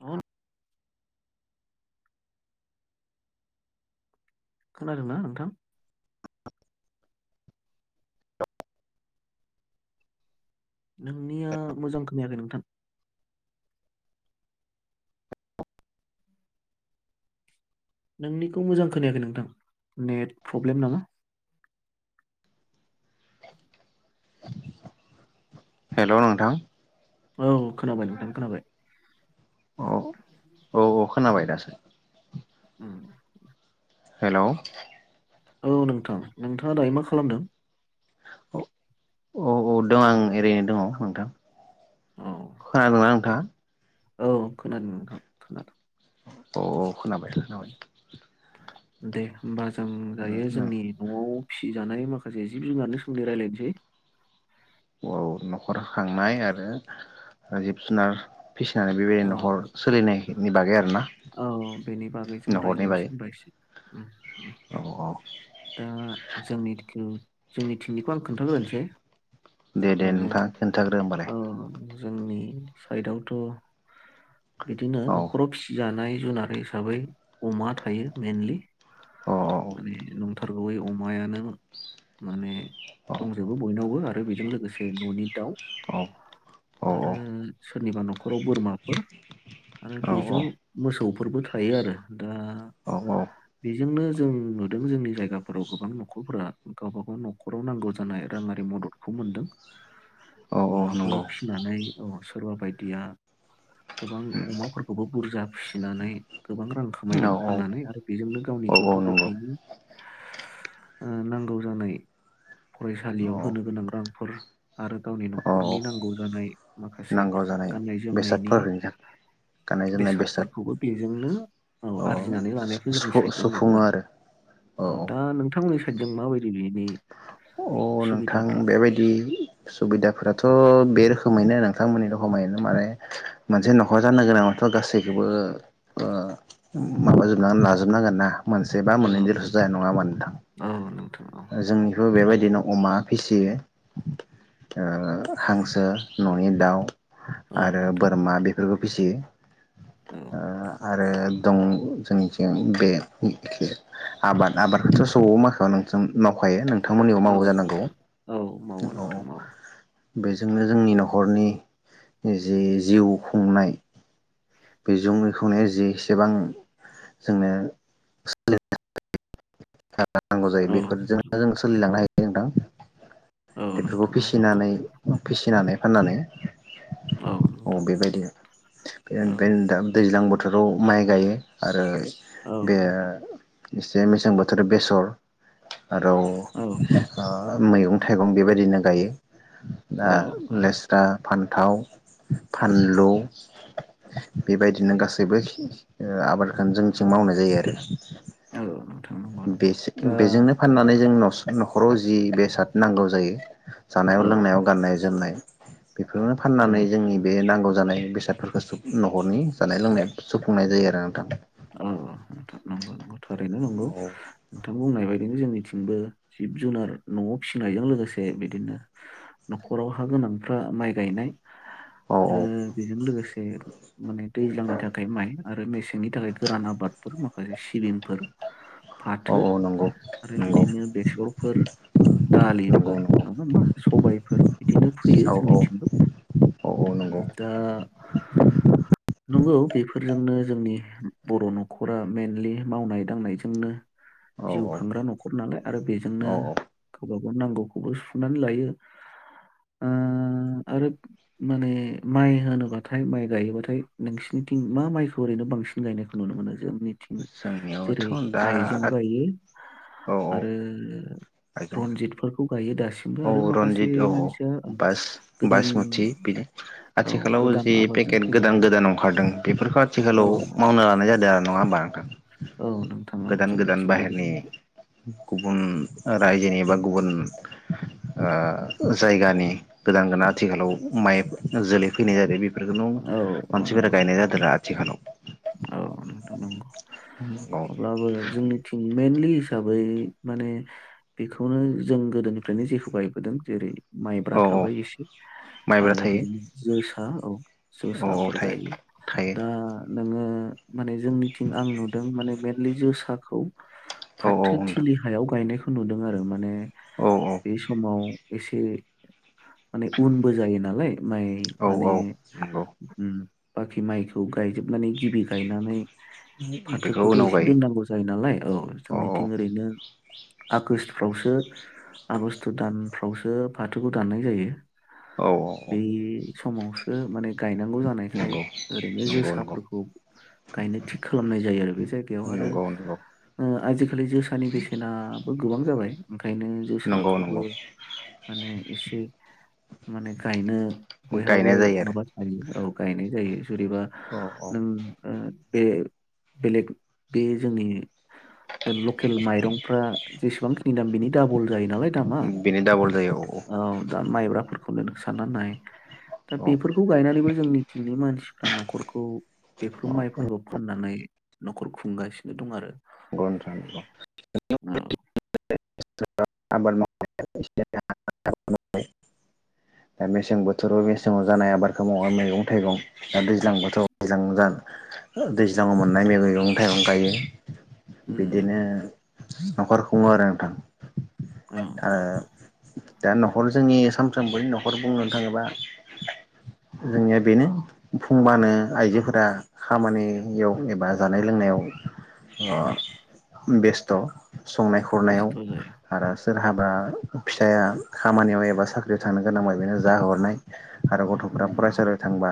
आ खोनादोंना नोंथां नोंनिया मोजां खोनायाखै नोंथां नोंनिखौ मोजां खोनायाखै नोंथां नेट प्रब्लेम नामा हेलौ नोंथां औ खोनाबाय नोंथां खोनाबाय औ औ औ खोबाय दासो उ हेलौ औ नोंथां नोंथाङा दायो मा खालामदों औ औ औ दं आं ओरैनो दङ नोंथां औ खोनादोंना दे नोंथाङा औ खोनादों नोंथां खोनादों औ औ खोनाबाय खोनाबाय दे बास जों दायो जोंनि नआव फिसिजानाय माखासे जिब जुनारनि सोमदै रायजलायनोसै औ नखर खांनाय आरो जिब जुनार फिसिनानै औ बेबायदिनो नखर सोलिनाय खिनि बागायै आरो ना औ बेनि बागै जों रायज्लायनोसै होनबायसै उ औ दा जोंनि खिं जोंनि थिंनिखौ आं खोन्थाग्रोनसै दे दे नोंथां खोन्थाग्रो होमबालाय जोंनि साइदआवथ' बिदिनो औ न'खराव फिसि जानाय जुनार हिसाबै अमा थायो मेइनलि औ माने न अमायानो माने औ दंजोबो बयनावबो आरो आरो बेजों लोगोसे न'नि दाउ औ आरो सोरनिबा न'खराव बोरमाफोर आरो औ बेजों मोसौफोरबो थायो आरो दा औ बेजोंनो जों नुदों जोंनि जायगाफोराव गोबां न'खरफोरा गावबा गाव न'खराव नांगौ जानाय राङारि मददखौ मोनदों औ औ अमाफोर नंगौ फिनानै औ सोरबा बायदिया गोबां अमाफोरखौबो बुरजा फिसिनानै गोबां रां औ खामायदों औ फाननानै आरो बेजोंनो गावनि औ गथ' नंगौ गथायाइनि नांगौ जानाय औ फरायसालियाव होनो गोनां रांफोर आरो गावनि औ न'खरनि नांगौ जानाय माखासे नांगौ जानाय गाननाय जोमनायनि बेसादफोर हैगोन गाननाय जोमनाय बेसाद बेसादफोरखौबो बेजोंनो औ अ आरजिनानै लानायखौ जोंनि साइदजों नुदों आरो औ दा नोंथ नोंथां मोननि साइडजों माबायदि बिनि नोंथां बेबायदि सुबिदाफोराथ' बे रोखोमैनो नोंथांमोननि रखोमैोन माने मोनसे न'खर जानो गोनाङथ' गासैखौबो माबाजोब लाजोबनांगोन ना मोनसे बा औ मोननै देरसो जाया नोंथां नङा मा नोंथां औ नोंथां औ जोंनिफ्रायबो बेबायदि दि नाव अमा फिसियो ओ हांसो न'नि दाउ औ आरो नोंथां बोरमा बे बेफोरखौ औ फिसियो आरो दं जोंनिथि बेखे आबाद आबादखौथ' स माखायाव नों मावखायो नों नोंथांमोननियाव औ मावो जानांगौ नोंथां औ मावो औ नोंथां मावो बेजोंनो जोंनि न'खरनि जि जिउ खुंनाय [unintelligible] नांगौ जायो औ बेफोरजोंनो जों सोलिलांनो हायो औ [unintelligible] बेफोरखौ नोंथां औ नंगौ फिसिनानै फिसिनानै फाननानै औ बेबायदि औ दा दैज्लां बोथोराव माइ गायो आरो औ बे नोंथां एसे मेसें बो बेसर आरो औ ओ मैगं थाइगं बेबायदिनो गायो औ दा औ लेस्रा फान्थाव फानलु बेबायदिनो गासैबो आबादखौनो जोंथिं मावनाय जायो आरो औ नंगौ बे नंगौ दा बेजोंनो फाननानै जों न'खराव जि बेसाद नांगौ जायो जानायाव औ लोंनायाव गाननाय जोमनाय [inaudible] बेफोरनो औ फाननानै जोंनि बे नांगौ जानाय बेसादफोरखौ न'खरनि जानाय लोंनायाव सुफुंनाय जायो आरो नोंथां अ हथ नंगौ नंगौ थारैनो नौगौ नोंथां बुंनाय बायदि बेनो जोंनिथिंबो जिब जुनार न'आव फिसिनायजों लोगोसे बिदिनो न'खराव हा गोनांफ्रा माइ गायनाय औ आरो औ बेजों लोगोसे [unintelligible] माने दैज्लांनि थाखाय माइ आरो मेसेंनि थाखाय गोरान आबादफोर माखासे सिबिंफोर फाथो औ औ नंगौ आरो नंगौ बिदिनो बेसरफोर नंगौ दालिफोर नङा नंगौ होमबा सबायफोर बिदिनो फैयो औ जोंनिथिंबो औ औ नंगौ दा नंगौ बेफोरजोंनो जोंनि बर' न'खरा मेइेनलि मावनाय दांनायजोंनो औ जिउ औ खांग्रा न'खर नालाय आरो बेजोंनो औ गावबा गा नांगौखौबो सुनानै लायो ओ आरो माने माइ होनोबाथाय माइ गायोबाथाय नोंसिनिथिं मा माइखौ ओरैनो बांसिन गायनायखौ नुनो मोनो जों थि जेरै जोंनियावथ' आइजं दा गायो औ औ आरो आइजोंबो रनजितफोरखौ गायो दासिमबो औ आरो माखासे रन्जित औ औ मानसिया ओ, बास गोदान बासमति बिदि औ आथिखालाव गोदान जि आबादजों पेकेट गोदान फैनाय गोदान ओंखारदों बेफोरखौ औ आथिखालाव मावनो लानाय जादों नङा होनबा औ नोंथां औ गोदान गोदान जोंनिथिंबो बाहेरनि बिदिनो गुबुन रायजोनि बा गुबुन ओ जायगानि गोदान गोदान आथिखालाव माइ जोलै फैनाय जादों बे बेफोरखौ औ औ मानसिफोरा नंगौ गायनाय नोंथां जादों आरो आथिखालाव औ नोंथां नंगौ औ अब्लाबो जोंनि टिम मइेनलि हिसाबै माने बेखौनो जों गोदोनिफ्रायनो जेखौ बायबोदों जेरै माइब्रा औ औ थाबाय एसे माइब्रा आरो थायो बिदिनो जो हो औ औ औ जसाफोर थायो गायो थायो दा नोङो माने जोंनिथिं आं नुदों माने मेनलि जोसाखौ औ औ फाथो नोंथां थिलि हायाव गायनायखौ नुदों आरो माने औ औ बे समाव एसे माने उनबो जायो नालाय। माय औ माने औ नंगौ ओं बाखि माइखौ गायजोबनानै गिबि गायनानै बेखौ फाथोखौथ उनाव एसे गायो दोननांगौ जायो नालाय औ जोंनिथिं ओरैनो आगष्ट फ्रावसो आगष्ट दान फ्रावसो फाथोखौ दाननाय जायो। औ बे समावसो माने गायनांगौ जानायखाय नंगौ ओरैनो नंगौ नंगौ जोसाफोरखौ गायनो थिग खालामनाय जायो आरो बे जाय नंगौ नंगौ। आजि खालि जोसानि बेसेनाबो गोबां जाबाय। ओंखायनो नंगौ जोसाखौबो नंगौ माने एसे माने गायनो बयहाबो गायनाय जायो आरो माबा थायो औ गायनाय जायो। जेनेबा औ औ नों ओ बे बेलेग बे जोंनि लकेल माइरंफ्रा जेसेबांखिनि दाम बेनि दाबल जायो नालाय दामा बेनो डाबल जायो औ दा माइब्राफोर अब्ला नों साननानै नाय दा औ बेफोरखौ गायनानैबो जोंनि थिंनि मानसिफ्रा न'खरखौ बेफोर औ माइफोरखौ फाननानै न'खरखौ खुंगासिनो दं आरो। औ [inaudible] आबाद मावनाय [inaudible] दा मेसें बोथोराव मेसेंङाव जानाय आबादखौ मावा मैगं थाइगं दा दैज्लां बोथोराव दैज्लां दैज्लाङाव मोननाय मैगं थाइगं गायो। उम बिदिनो। नोंथां नखर खुङो आरो नोंथां। औ औ दा नखर जोंनि। सानफ्रामबोनि नखर बुंनो थाङोबा जोंनिया बेनो फुंबानो आइजोफोरा खामानियाव एबा जानाय लोंनायाव। बेस्थ संनाय खुरनायाव बेस्थ' जायो आरो सोर हाबा फिसाया खामानियाव एबा साख्रियाव थांनो गोनांबा बेनो जाहरनाय आरो गथ'फ्रा उम फरायसालियाव थांबा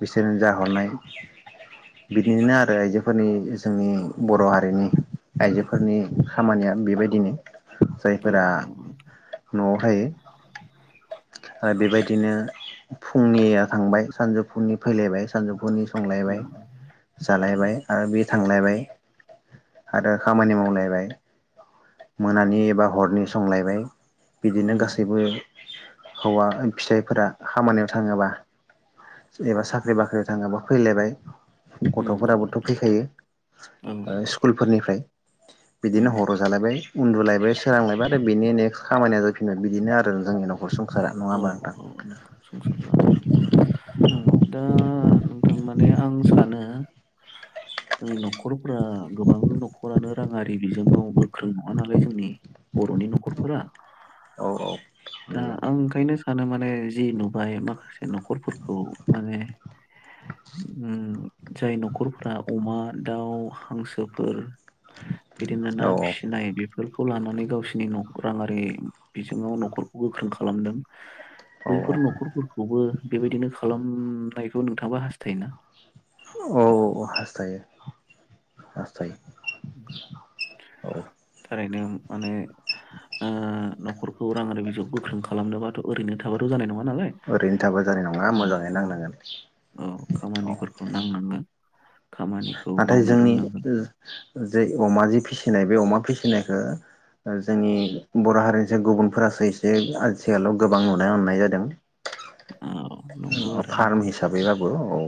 बिसोरनो जाहरनाय बिदिनो आरो आइजोफोरनि जोंनि बर' हारिनि आइजोफोरनि खामानिया बेबायदिनो औ जायफोरा नंगौ नोंथां न'आव थायो ओ बेबायदि दिनो फुंनिया थांबाय सानजौफुनि फैलायबाय सानजौफुनि संलायबाय उम उम जालायबाय आरो बे थांलायबाय आरो खामानि मावलायबाय मोनानि एबा हरनि संलायबाय बिदिनो उम गासैबो हौवा फिसाइफोरा खामानियाव थाङोबा सोरनियाबा साख्रि बाख्रियाव थाङोबा फैलायबाय उम नंगौ गथ'फोराबोथ' नोंथां फैखायो औ ओ नंगौ स्कुलफोरनिफ्राय उम बिदिनो हर जालायबाय उन्दुलायबाय सोरांलायबाय आरो बेनि नेक्स्ट खामानिया जाफिनगोन बिदिनो आरो जोंनि न औ औ नोंथां संसार जानायनि औ दा नोंथां माने आं सानो जोंनि न'खरफोरा गोबां न'खरानो राङारि बिजोङाव गोख्रों नङा नालाय जोंनि बर'नि न'खरफोरा औ औ दा नंगौ आं ओंखायनो सानो माने जि नुबाय माखासे न'खरफोरखौ माने ओम जाय न'खरफोरा अमा दाउ हांसोफोर बिदिनो ना औ फिसिनाय बेफ बेफोरखौ लानानै गावसोरनि नखौ राङारि बिजोङाव न'खर गोख्रों खालामदों औ बैफोर न'खरफोरखौबो बेबायदिनो खालामनायखौ नोंथाङा हास्थायोना औ हास्थायो हास्थायो औ थारैनो माने ओ न'खरखौ रां आरि बिजौ गोख्रों खालामनोबाथ' ओरैनो थाबाथ' जानाय नङा नालाय ओरैनो थाबा जानाय नङा औ मोजाङै औ नांनांगोन औ औ खामानिफोरखौ नांनांगोन खामानिखौ नाथाय मावनो जोंनि रोंनांगोन ओम। जे अमा जे फिसिनाय बे अमा फिसिनायखोओ, जोंनि बर' हारिनिसाय गुबुनफोरासो एसे आथिखालाव गोबां नुनो मोननाय जादों। औ नंगौ ओम आरो फार्म नंगौ हिसाबैबाबो औ।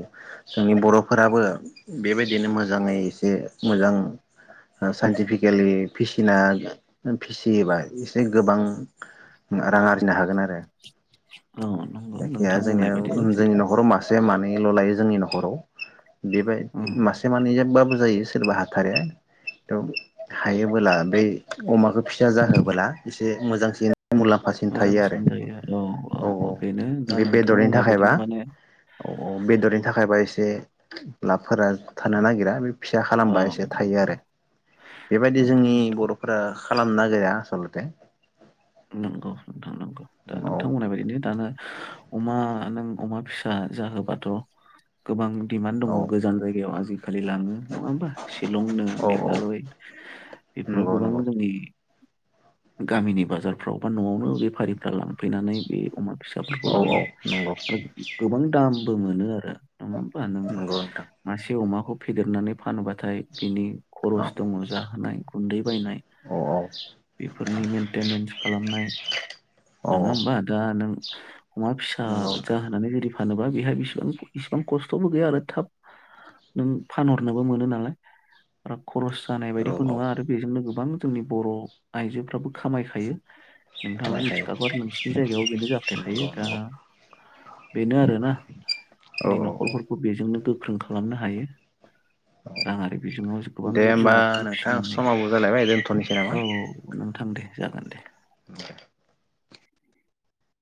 जोंनि बर'फोराबो। बेबायदिनो मोजाङै एसे, मोजां साइन्टिफिकेलि फिसिना फिसियोबा एसे गोबां रां आरजिनो हागोन आरो। औ नंगौ जायखिजाया नोंथां जोंनिया बुंनाय बायदिनो जोंनि जेरै न'खराव मासे मानैल' लायो जोंनि न'ख। बर' देबाय औ मासे मानै जोनबाबो। जायो सोरबा हाथारो थ हायोबोला बै अमाखौ फिसा जाहोबोला एसे मोजांसिन। मुलाम्फासिन थायो आरो मोजांसिन जायो औ औ। बेनो दा बे नोंथां बेदरनि बुंनाय थाखायबा, बायदिनो माने औ औ बेदरनि थाखायबा एसे बे लाबफोरा थानो नागिरा बे फिसा औ खालामबा एसे थायो आरो, बेबायदि नंगौ जोंनि नोंथां बर'फोरा। खालामनागिरा आसलथे। नोंगौ। थांनांगौ दा औ नोंथां बुंनायबादिनो दाना। अमा नों अमा फिसा जाहोबाथ' गोबां। दिमान दङ औ गोजान जायगायाव आजिखाष खालि लाङो नङा होमबा? शिलंनो औ मेघालय बेफोराव नंगौ गोबां नंगौ जोंनि गामिनि बाजार फ्रावबा न'आवनो बेफारिफ्रा लांफैनानै बे अमा फिसाफोरखौ औ लाङो नंगौ आरो गोबां दाम। बो मोनो आरो। नङा होमबा नों नंगौ नोंथां मासे अमाखौ। खौ फेदेरनानै फानोबा नाथाय बिनि औ खरस दङ जाहोनाय। गुनदै बायनाय औ औ बेफोरनि मेनटेनेन्स नाय औ नङा होमबा दा नों अमा फिसा नंगौ नोंथां जाहोनानै दि फानोबा बेहा बिसिबां इसिबां खस्थ'बो गैया आरो थाब, नों फानहरनोबो मोनो नालाय। खरस जानाय औ बायदिखौ औ नुवा आरो बेजोंनो गोबां जोंनि बर' आइजोफ्राबो खामायखायो। नोंथाङाबो खोनाखायो मिथिखागौ, आरो नोंसिनि जायगायाव बेनो जाबाय थाखायो नंगौ दा नंगौ बेनो आरोना औ जोंनि औ औ न'खरफोरखौ बेजोंनो गोख्रों खालामनो हा हायो राङारि बिजोङाव जो गोबां दे जिब होमबा जुनारफोर नोंथां फिसिनानै समाबो जालायबाय दोनथ'नोसै औ नामा? औ ओं दे जागोन दे [inaudible] [inaudible]